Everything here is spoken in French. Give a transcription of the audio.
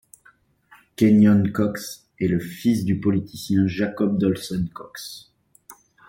Kenyon Cox est le fils du politicien Jacob Dolson Cox.